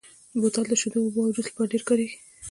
بوتل د شیدو، اوبو او جوس لپاره ډېر کارېږي.